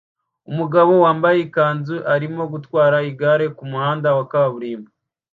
Umugabo wambaye ikanzu arimo gutwara igare kumuhanda wa kaburimbo